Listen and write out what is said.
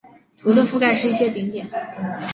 图的覆盖是一些顶点。